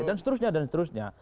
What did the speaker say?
dan seterusnya dan seterusnya